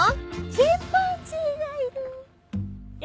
チンパンジーがいる。